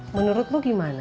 menurut lo gimana